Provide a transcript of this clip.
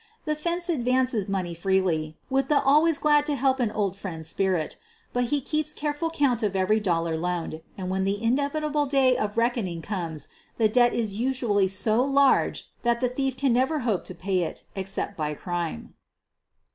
The "fence" advances money freely, with the " always glad to help an old friend" spirit. But he keeps careful count of every dollar loaned, and when the inevitable day of reck oning comes the debt is usually so large that the thief can never hope to pay it except by crime.